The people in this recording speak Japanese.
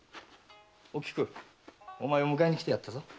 おきくお前を迎えに来てやったぞ。